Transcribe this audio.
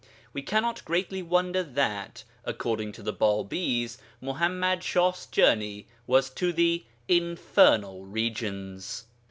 We cannot greatly wonder that, according to the Bābīs, Muḥammad Shah's journey was to the infernal regions.